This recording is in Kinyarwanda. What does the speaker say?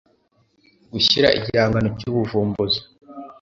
Gushyira igihangano cy ubuvumbuzi